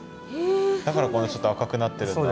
だからこれちょっと赤くなってるんだ。